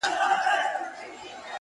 زه به دومره دعاګوی درته پیدا کړم٫